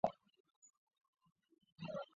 十点半以前不足七人